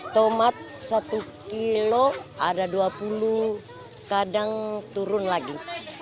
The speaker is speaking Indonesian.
tomat satu kilo ada dua puluh kadang turun lagi